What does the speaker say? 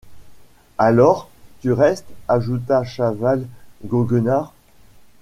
Alors, tu restes ? ajouta Chaval goguenard.